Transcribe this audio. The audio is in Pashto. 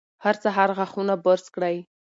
هر سهار غاښونه برس کړئ.